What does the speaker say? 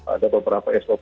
ada beberapa sop